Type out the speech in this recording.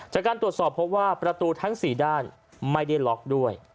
จากการตรวจสอบพบว่าประตูทั้ง๔ด้านไม่ได้ล็อกด้วย